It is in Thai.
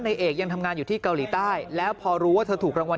เอกยังทำงานอยู่ที่เกาหลีใต้แล้วพอรู้ว่าเธอถูกรางวัล